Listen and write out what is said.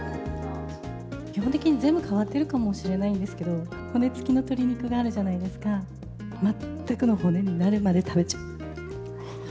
基本的に、全部変わってるかもしれないんですけど、骨付きの鶏肉があるじゃないですか、全くの骨になるまで食べちゃう。